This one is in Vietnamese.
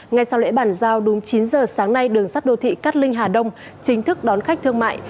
ngay sau lễ bàn giao đúng chín giờ sáng nay đường sắt đô thị cát linh hà đông chính thức đón khách thương mại